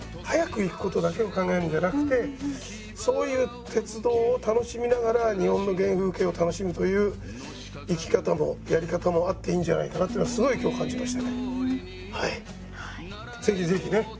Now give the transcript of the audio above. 早く行くことだけを考えるんじゃなくてそういう鉄道を楽しみながら日本の原風景を楽しむという生き方もやり方もあっていいんじゃないかなというのはすごい今日感じましたね。